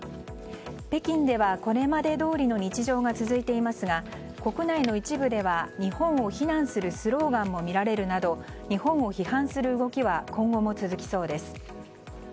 北京ではこれまでどおりの日常が続いていますが国内の一部では日本を非難するスローガンも見られるなど日本を批判する動きは今後も続きそうです。